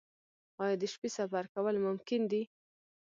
آیا د شپې سفر کول ممکن دي؟